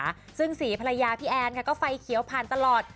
จึงสีภรรยาพี่แอนก็ไฟเขียวพันตลอด